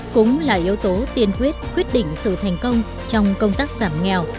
cũng là yếu tố tiên quyết quyết định sự thành công trong công tác giảm nghèo